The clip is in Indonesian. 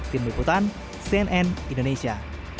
tim liputan cnn indonesia